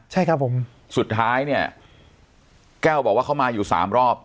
ใช่ครับผมสุดท้ายเนี่ยแก้วบอกว่าเขามาอยู่สามรอบ